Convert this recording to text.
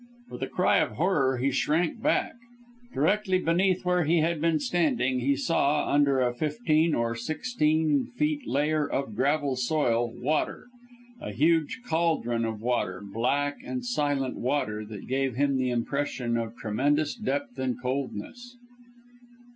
With a cry of horror he shrank back. Directly beneath where he had been standing, he saw, under a fifteen or sixteen feet layer of gravel soil water; a huge caldron of water, black and silent; water, that gave him the impression of tremendous depth and coldness.